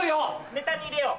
ネタに入れよう。